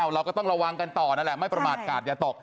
เราก็ต้องระวังกันต่อนั่นแหละไม่ประมาทกาศอย่าตก